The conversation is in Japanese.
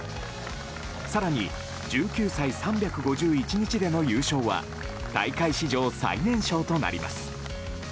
更に、１９歳３５１日での優勝は大会史上最年少となります。